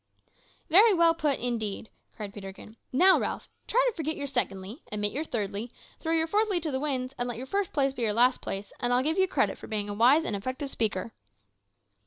"Very well put, indeed," cried Peterkin. "Now, Ralph, try to forget your `secondly,' omit your `thirdly,' throw your `fourthly' to the winds, and let your `first place' be your `last place,' and I'll give you credit for being a wise and effective speaker."